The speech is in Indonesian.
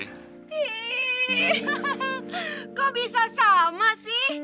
kok bisa sama sih